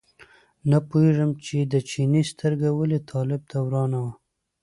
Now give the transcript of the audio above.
نه پوهېږم چې د چیني سترګه ولې طالب ته ورانه وه.